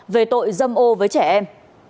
về tội dâm ô với trẻ em